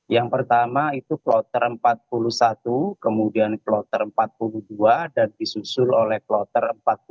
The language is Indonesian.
yang pertama itu kloter empat puluh satu kemudian kloter empat puluh dua dan disusul oleh kloter empat puluh dua